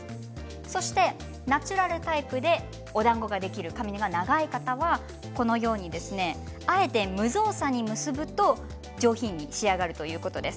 そしてナチュラルタイプでおだんごができる、髪が長い方はあえて無造作に結ぶと、上品に仕上がるということです。